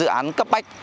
dự án cấp bách